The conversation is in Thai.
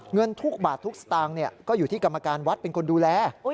เงินทุกบาททุกสตางค์ก็อยู่ที่กรรมการวัดเป็นคนดูแล